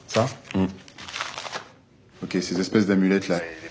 うん。